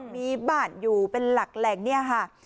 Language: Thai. มีบ้านอยู่เป็นหลักแหล่งเนี่ยค่ะ